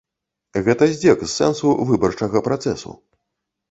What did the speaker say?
Гэта здзек з сэнсу выбарчага працэсу.